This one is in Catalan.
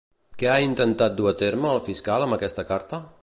Què ha intentat dur a terme el fiscal amb aquesta carta?